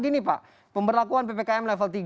gini pak pemberlakuan ppkm level tiga